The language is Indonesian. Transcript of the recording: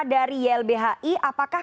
dari ylbhi apakah